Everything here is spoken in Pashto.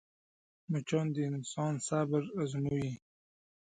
مچان د انسان صبر ازموي